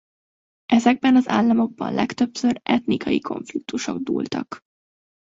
Ezekben az államokban legtöbbször etnikai konfliktusok dúltak.